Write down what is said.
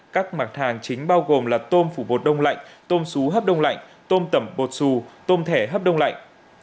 các mặt hàng chính bao gồm là tôm phủ bột đông lạnh tôm sú hấp đông lạnh tôm tẩm bột sù tôm thẻ hấp đông lạnh